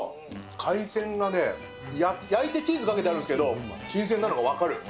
海鮮がね、焼いてチーズかけてあるんだけど、新鮮なのが分かる。